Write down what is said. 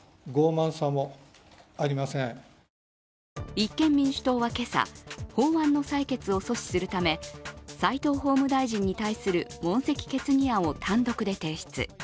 立憲民主党は今朝、法案の採決を阻止するため斎藤法務大臣に対する問責決議案を単独で提出。